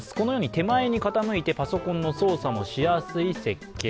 手前に傾いてパソコンの操作もしやすい設計